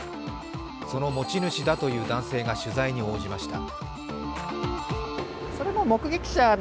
その持ち主だという男性が取材に応じました。